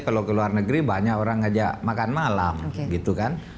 kalau ke luar negeri banyak orang ngajak makan malam gitu kan